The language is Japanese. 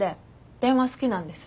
電話好きなんです。